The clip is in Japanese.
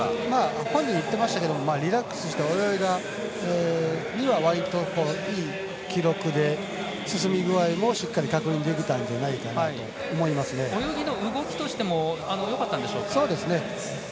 本人が言ってましたけどリラックスして泳いだ割にはいい記録で進み具合もしっかり確認できたんじゃないかと泳ぎの動きとしてもそうですね。